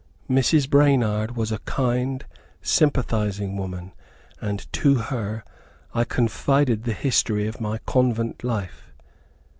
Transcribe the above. Mrs. Branard was a kind sympathizing woman, and to her, I confided the history of my convent life.